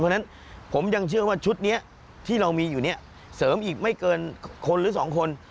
เพราะฉะนั้นผมยังเชื่อว่าชุดนี้ที่เรามีอยู่เนี่ยเสริมอีกไม่เกินคนหรือสองคน